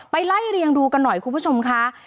ไล่เรียงดูกันหน่อยคุณผู้ชมค่ะ